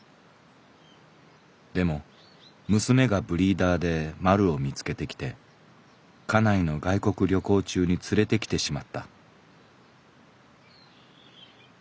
でも娘がブリーダーでまるを見つけてきて家内の外国旅行中に連れてきてしまった」。